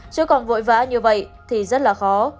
chứ còn vội vã như vậy thì rất là khó